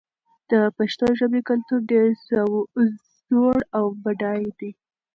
د پښتو ژبې کلتور ډېر زوړ او بډای دی.